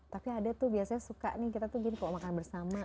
tapi ada tuh biasanya suka nih kita tuh gini kalau makan bersama